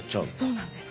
そうなんです。